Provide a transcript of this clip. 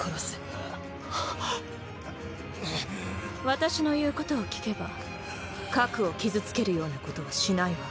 私の言うことを聞けば核を傷つけるようなことはしないわ。